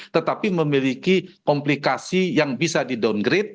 tetapi memiliki komplikasi yang bisa di downgrade